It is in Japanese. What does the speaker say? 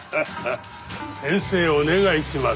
先生お願いします。